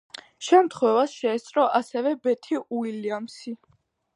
შემთხვევას შეესწრო ასევე ბეთი უილიამსი.